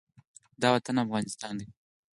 دا وطن افغانستان دی